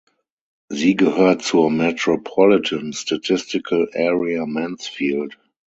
Sie gehört zur Metropolitan Statistical Area Mansfield.